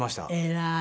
偉い！